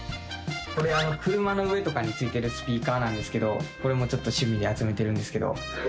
これ車の上とかについてるスピーカーなんですけどこれもちょっと趣味で集めてるんですけど。